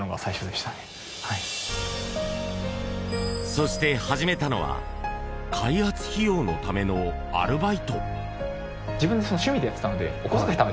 そして始めたのは開発費用のためのアルバイト。